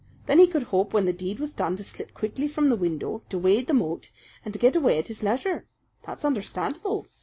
Then he could hope when the deed was done to slip quickly from the window, to wade the moat, and to get away at his leisure. That's understandable.